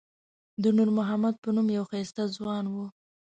د نور محمد په نوم یو ښایسته ځوان و.